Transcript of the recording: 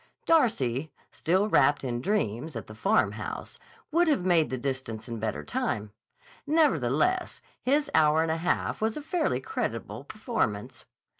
Darcy, still wrapped in dreams at the Farmhouse, would have made the distance in better time; nevertheless, his hour and a half was a fairly creditable performance.